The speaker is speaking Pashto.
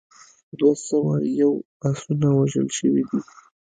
دوه سوه یو اسونه وژل شوي دي.